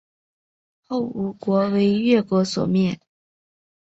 后吴国为越国所灭。